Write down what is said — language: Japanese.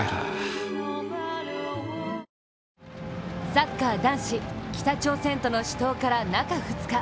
サッカー男子、北朝鮮との死闘から中２日。